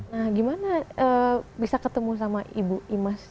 nah gimana bisa ketemu sama ibu imas